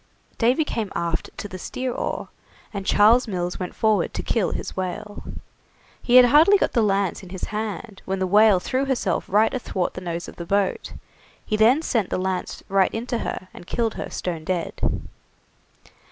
Davy came aft to the steer oar, and Charles Mills went forward to kill his whale. He had hardly got the lance in his hand when the whale threw herself right athwart the nose of the boat. He then sent the lance right into her and killed her stone dead.